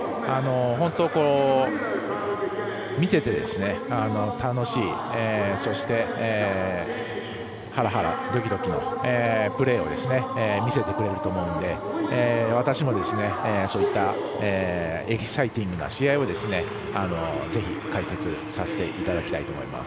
本当、見てて楽しいそして、ハラハラドキドキのプレーを見せてくれると思うので私もそういったエキサイティングな試合をぜひ解説させていただきたいと思います。